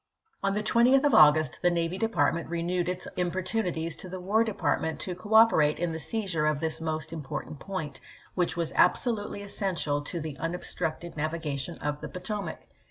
On the 20th of August the Navy Department renewed its importunities to the War Department to cooperate in the seizure of this most important point, which weiies to was "absolutely essential to the unobstructed navi iSoyisM. gation of the Potomac."